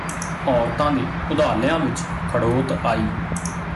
ਔਰਤਾਂ ਦੇ ਉਧਾਲਿਆਂ ਵਿਚ ਖੜੋਤ ਆਈ